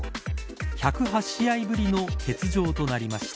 １０８試合ぶりの欠場となりました。